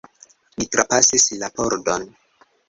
Ni trapasis la pordon.